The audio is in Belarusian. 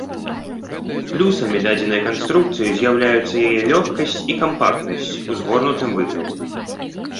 Плюсамі дадзенай канструкцыі з'яўляюцца яе лёгкасць і кампактнасць у згорнутым выглядзе.